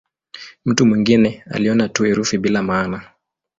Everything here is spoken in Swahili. Mtu mwingine aliona tu herufi bila maana.